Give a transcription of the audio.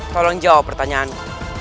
tolong jawab pertanyaanku